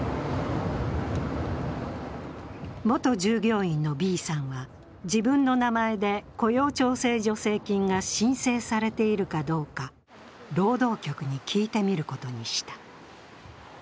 元従業員のＢさんは、自分の名前で雇用調整助成金が申請されているかどうか、労働局に聞いてみることにした。